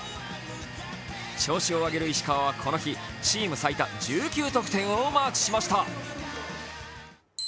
調子を上げる石川はこの日、チーム最多１９得点をマークしました。